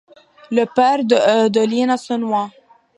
Le père de Lina se noie.